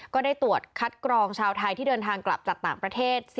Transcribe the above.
ก็ได้ตรวจคัดกรองชาวไทยที่เดินทางกลับจากต่างประเทศ